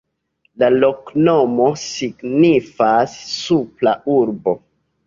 La loknomo signifas: Supra Urbo.